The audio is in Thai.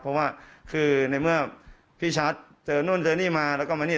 เพราะว่าคือในเมื่อพี่ชัดเจอนู่นเจอนี่มาแล้วก็มานี่